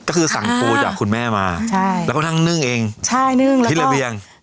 ก็คือสั่งโปจากคุณแม่มาแล้วก็ทั้งเนื่องเองที่ระเบียง